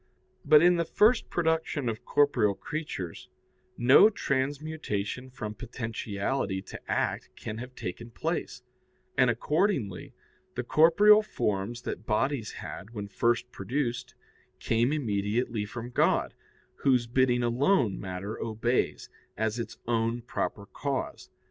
But in the first production of corporeal creatures no transmutation from potentiality to act can have taken place, and accordingly, the corporeal forms that bodies had when first produced came immediately form God, whose bidding alone matter obeys, as its own proper cause.